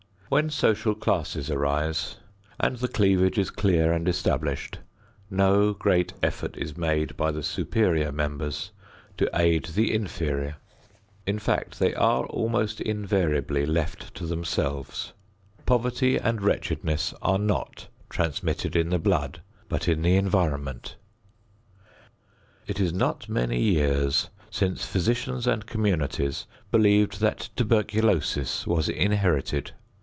When social classes arise and the cleavage is clear and established, no great effort is made by the superior members to aid the inferior. In fact they are almost invariably left to themselves. Poverty and wretchedness are not transmitted in the blood, but in the environment. It is not many years since physicians and communities believed that tuberculosis was inherited.